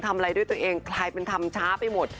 ทำอะไรด้วยตัวเองกลายเป็นทำช้าไปหมด